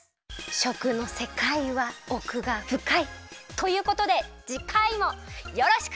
しょくのせかいはおくがふかい！ということでじかいもよろしく！